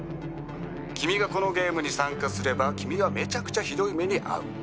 「君がこのゲームに参加すれば君はめちゃくちゃひどい目に遭う」